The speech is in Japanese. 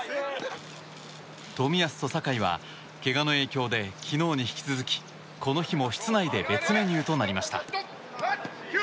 冨安と酒井はけがの影響で昨日に引き続きこの日も室内で別メニューとなりました。